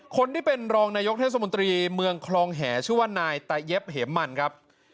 คนที่เป็นรองนายกเทศมนตรีเมืองคลองแห่ชื่อว่านายตายเย็บเหมมันครับ